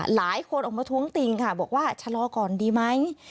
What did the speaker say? หลายคนออกมาท้วงติงค่ะบอกว่าชะลอก่อนดีไหม